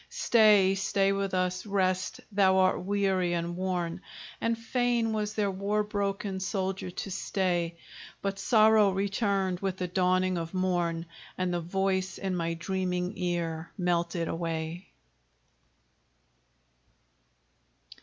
"Stay, stay with us, rest; thou art weary and worn!" And fain was their war broken soldier to stay: But sorrow returned with the dawning of morn, And the voice in my dreaming ear melted away.